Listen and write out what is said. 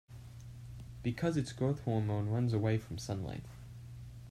Because its growth hormone runs away from sunlight.